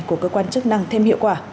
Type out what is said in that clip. của cơ quan chức năng thêm hiệu quả